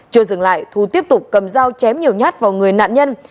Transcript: chưa dừng lại thu tiếp tục cầm dao chém nhiều nhát vào người nạn nhân